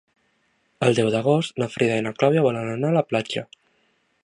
El deu d'agost na Frida i na Clàudia volen anar a la platja.